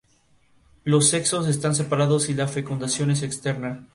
Los sexos están separados y la fecundación es externa.